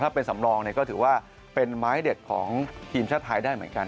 ถ้าเป็นสำรองก็ถือว่าเป็นไม้เด็ดของทีมชาติไทยได้เหมือนกัน